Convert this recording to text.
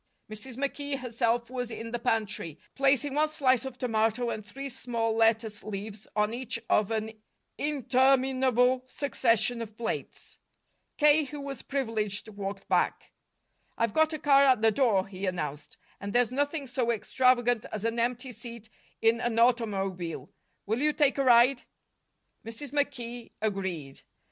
Mrs. McKee herself was in the pantry, placing one slice of tomato and three small lettuce leaves on each of an interminable succession of plates. K., who was privileged, walked back. "I've got a car at the door," he announced, "and there's nothing so extravagant as an empty seat in an automobile. Will you take a ride?" Mrs. McKee agreed.